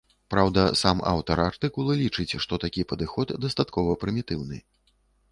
Праўда, сам аўтар артыкулу лічыць, што такі падыход дастаткова прымітыўны.